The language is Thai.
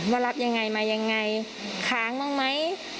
ว่ารับยังไงมายังไงค้างบ้างไหม